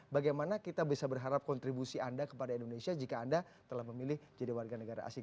bagaimana kita bisa berharap kontribusi anda kepada indonesia jika anda telah memilih jadi warga negara asing